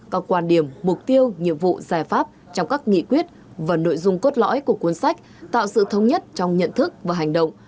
các quan điểm mục tiêu nhiệm vụ giải pháp trong các nghị quyết và nội dung cốt lõi của cuốn sách tạo sự thống nhất trong nhận thức và hành động